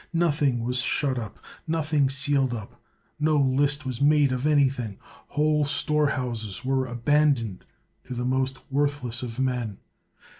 Nothing was shut up, nothing sealed up, no list was made of any thing. Whole storehouses were abandoned to the most worthless of men.